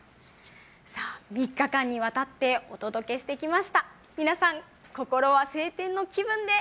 ３日間にわたってお届けしてきました。